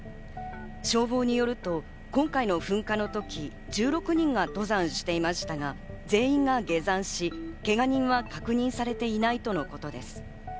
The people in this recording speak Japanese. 消防によると今回の噴火の時、１６人が登山していましたが、全員が下山し、けが人は確認されていないとのことです。